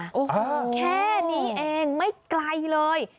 แค่นี้เองไม่ไกลเลย